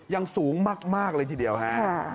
ยังสูงมากเลยทีเดียวฮะ